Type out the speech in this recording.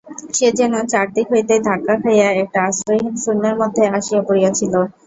সে যেন চারি দিক হইতেই ধাক্কা খাইয়া একটা আশ্রয়হীন শূন্যের মধ্যে আসিয়া পড়িয়াছিল।